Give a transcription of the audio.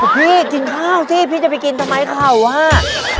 พี่กินข้าวสิพี่จะไปกินทำไมเข่าอ่ะ